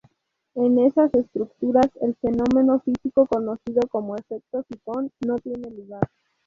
En esas estructuras, el fenómeno físico conocido como efecto sifón no tiene lugar.